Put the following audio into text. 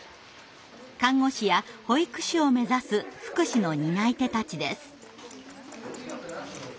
看護師や保育士を目指す福祉の担い手たちです。